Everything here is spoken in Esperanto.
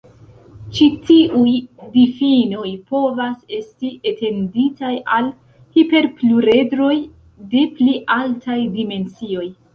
Ĉi tiuj difinoj povas esti etenditaj al hiperpluredroj de pli altaj dimensioj.